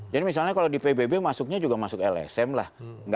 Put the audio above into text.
jadi misalnya kalau di pbb masuknya juga masuk lsm lah